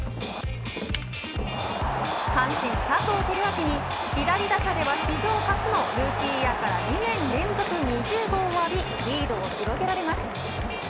阪神、佐藤輝明に左打者では史上初のルーキーイヤーから２年連続２０号を浴びリードを広げられます。